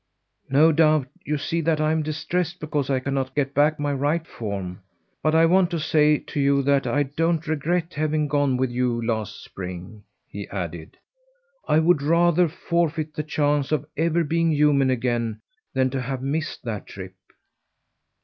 "No doubt you see that I'm distressed because I cannot get back my right form; but I want to say to you that I don't regret having gone with you last spring," he added. "I would rather forfeit the chance of ever being human again than to have missed that trip."